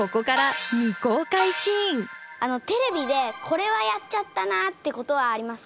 テレビで「これはやっちゃったな」ってことはありますか？